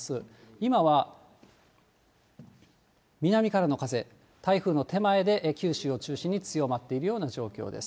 今は南からの風、台風の手前で九州を中心に強まっているような状況です。